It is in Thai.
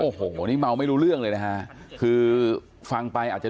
โอ้โหนี่เมาไม่รู้เรื่องเลยนะฮะคือฟังไปอาจจะ